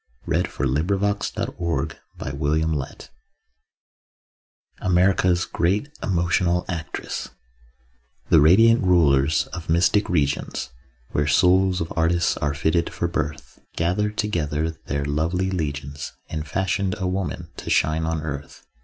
READ AT THE BENEFIT OF CLARA MORRIS (AMERICA'S GREAT EMOTIONAL ACTRESS) The Radiant Rulers of Mystic Regions Where souls of artists are fitted for birth Gathered together their lovely legions And fashioned a woman to shine on earth.